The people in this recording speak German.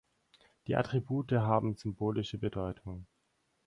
Die Attribute haben symbolische Bedeutung.